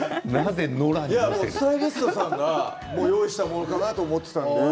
スタイリストさんがご用意したものだと思ってました。